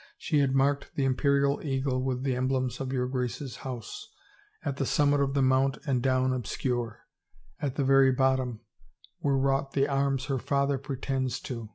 She had marked the Imperial eagle, with the emblems of your Grace's house, at the summit of the mount and down obscure, at the very bottom, were wrought the arms her father pretends to.